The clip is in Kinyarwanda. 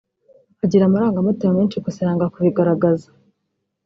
Agira amarangamutima menshi gusa yanga kubigaragaza